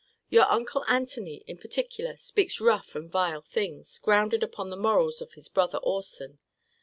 Your uncle Antony, in particular, speaks rough and vile things, grounded upon the morals of his brother Orson.